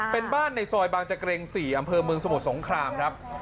เป็นบ้านในซอยบางจักรง๔อำเภอเมืองสมุทรสงครามครับ